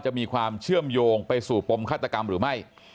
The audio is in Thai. จะมีความเชื่อมโยงไปสู่ปมฆาตกรรมหรือไม่